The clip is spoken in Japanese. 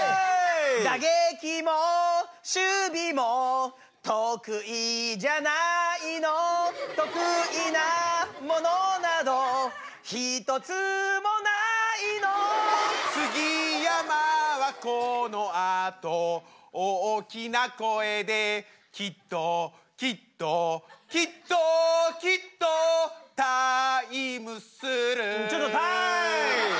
打撃も守備も得意じゃないの得意なものなど一つもないの杉山はこのあと大きな声できっときっときっときっとタイムするちょっとタイム！